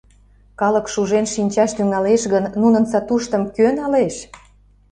Калык шужен шинчаш тӱҥалеш гын, нунын сатуштым кӧ налеш?